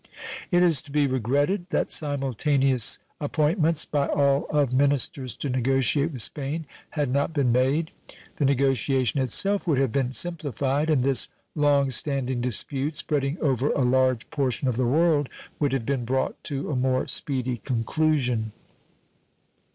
It is to be regretted that simultaneous appointments by all of ministers to negotiate with Spain had not been made. The negotiation itself would have been simplified, and this long standing dispute, spreading over a large portion of the world, would have been brought to a more speedy conclusion.